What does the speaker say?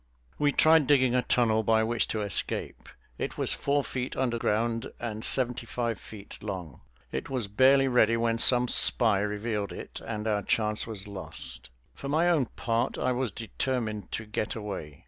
We tried digging a tunnel by which to escape. It was four feet under ground and seventy five feet long. It was barely ready when some spy revealed it, and our chance was lost. For my own part, I was determined to get away.